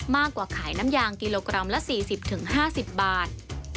มากกว่าขายน้ำยางกิโลกรัมละ๔๐๕๐บาท